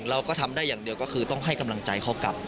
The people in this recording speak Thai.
เราก็ทำได้อย่างเดียวก็คือต้องให้กำลังใจเขากลับ